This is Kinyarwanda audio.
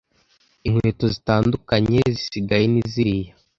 Inkweto zitandukanye zisigaye ni ziriya